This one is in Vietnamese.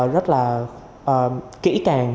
rất là kỹ càng